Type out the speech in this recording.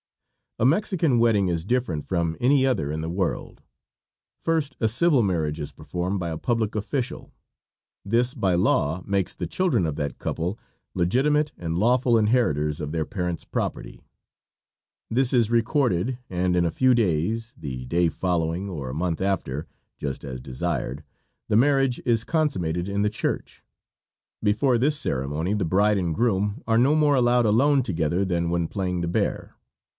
A Mexican wedding is different from any other in the world. First a civil marriage is performed by a public official. This by law makes the children of that couple legitimate and lawful inheritors of their parents' property. This is recorded, and in a few days the day following or a month after, just as desired the marriage is consummated in the church. Before this ceremony the bride and groom are no more allowed alone together than when playing the bear.